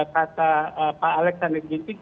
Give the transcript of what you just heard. kata pak alexander gintik